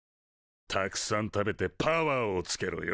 たくさん食べてパワーをつけろよ。